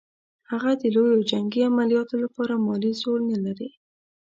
هغه د لویو جنګي عملیاتو لپاره مالي زور نه لري.